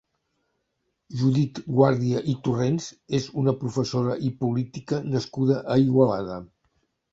Judit Guàrdia i Torrents és una professora i política nascuda a Igualada.